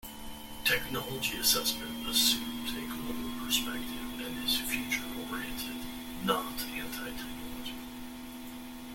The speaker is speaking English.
Technology assessment assumes a global perspective and is future-oriented, not anti-technological.